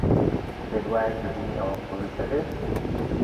پێت وایە کردنی ئەوە قورس دەبێت؟